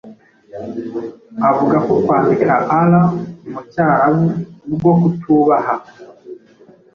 avuga ko Kwandika Allah mu cyarabu bwo kutubaha